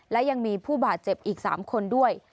และยังมีผู้บาดเจ็บอีก๓คนด้วย